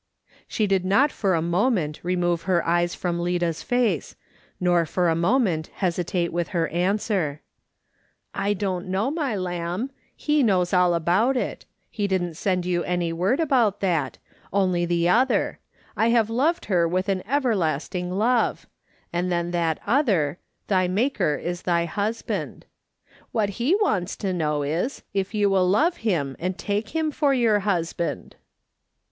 She did not for a moment remove her eyes from Lida's face, nor for a moment hesitate with her answer :" I don't know, my lamb ; he knows all about it ; he didn't send you any word about that, only the other :' I have loved her with an everlasting love ;' and then that other :' Thy maker is thy husband.' t'j2 Mks. Solomon smith Lookwg on. What he wants to know is, if you will love him, and take liim for your husband."